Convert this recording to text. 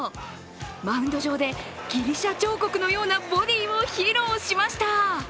マウンド上でギリシャ彫刻のようなボディーを披露しました。